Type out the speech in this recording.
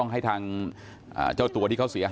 ลองฟังเสียงช่วงนี้ดูค่ะ